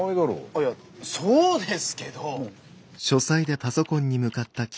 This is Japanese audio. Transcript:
いやそうですけど。